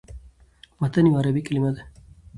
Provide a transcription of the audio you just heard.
متن یوه عربي کلمه ده.